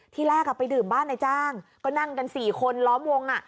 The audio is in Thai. ที่แรกไปดื่มบ้านในจ้างก็นั่งกัน๔คนล้อมวง